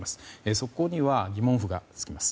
そこには疑問符が付きます。